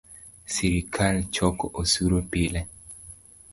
Sirikal choko osuru pile